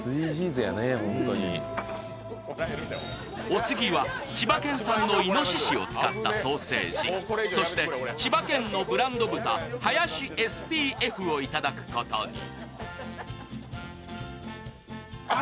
お次は千葉県産のいのししを使ったソーセージ、そして千葉県のブランド豚、林ＳＰＦを頂くことに。